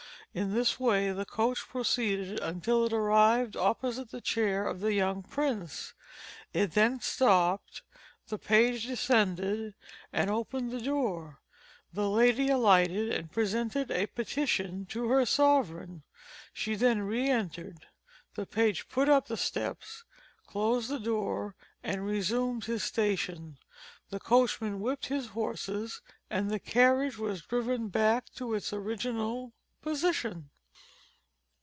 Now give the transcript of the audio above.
In this way the coach proceeded until it arrived opposite the chair of the young prince. It then stopped, the page descended and opened the door, the lady alighted, and presented a petition to her sovereign. She then re entered. The page put up the steps, closed the door, and resumed his station. The coachman whipped his horses, and the carriage was driven back to its original position.